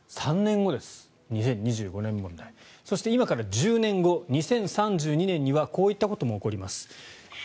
そして、今から１０年後２０３２年にはこういったことも起こります。